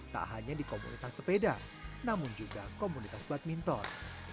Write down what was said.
tak hanya di komunitas sepeda namun juga komunitas badminton